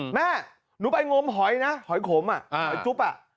แม่หนูไปงมหอยนะหอยขมอ่ะหอยจุ๊บอ่ะ